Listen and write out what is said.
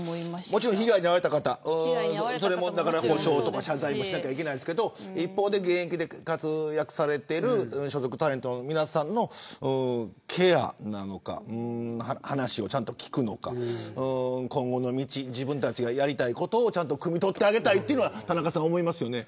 もちろん被害に遭われた方補償とか謝罪もしなきゃいけないですけど一方で現役で活躍されている所属タレントの皆さんもケアなのか話をちゃんと聞くのか今後の道、自分たちがやりたいことをちゃんとくみ取ってあげたいというのは田中さん思いますよね。